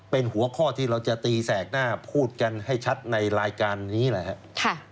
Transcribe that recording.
เป็นหัวข้อที่เราจะตีแสกหน้าพูดกันให้ชัดในรายการนี้แหละครับ